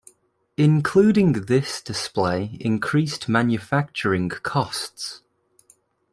Including this display increased manufacturing costs.